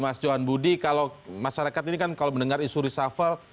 mas johan budi kalau masyarakat ini kan kalau mendengar isu reshuffle